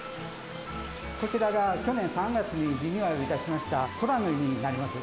こちらが、去年３月にリニューアルいたしました空の湯になります。